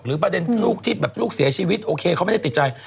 ประเด็นลูกที่แบบลูกเสียชีวิตโอเคเขาไม่ได้ติดใจ